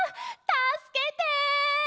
たすけて！